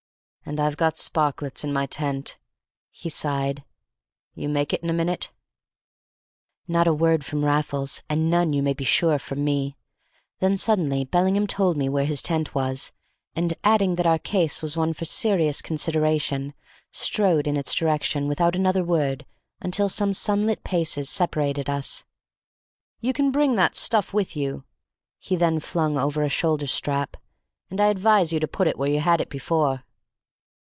"And I've got Sparklets in my tent," he sighed. "You make it in a minute!" Not a word from Raffles, and none, you may be sure, from me. Then suddenly Bellingham told me where his tent was, and, adding that our case was one for serious consideration, strode in its direction without another word until some sunlit paces separated us. "You can bring that stuff with you," he then flung over a shoulder strap, "and I advise you to put it where you had it before."